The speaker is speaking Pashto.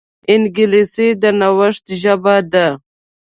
انګلیسي د نوښت ژبه ده